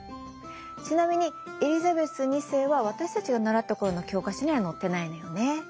ちなみにエリザベス２世は私たちが習った頃の教科書には載ってないのよね。